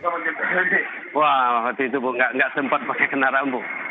wah waktu itu bu nggak sempat pakai kena rambu